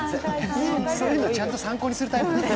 そういうのちゃんと参考にするタイプなのね。